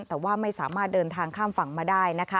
แต่ว่าไม่สามารถเดินทางข้ามฝั่งมาได้นะคะ